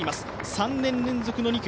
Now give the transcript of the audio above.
３年連続の２区。